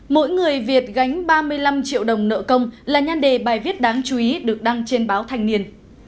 mỗi người việt gánh ba mươi năm triệu đồng nợ công là nhan đề bài viết đáng chú ý được đăng trên báo thành niên